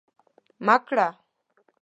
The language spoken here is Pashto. مه کره